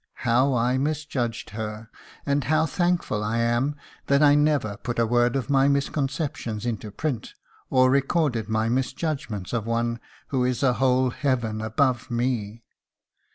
How I misjudged her! and how thankful I am that I never put a word of my misconceptions into print, or recorded my misjudgments of one who is a whole heaven above me.